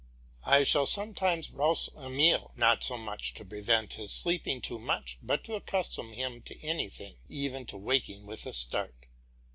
I shall sometimes rouse Emile, not so much to prevent his sleeping too much, as to accustom him to anything even to waking with a start.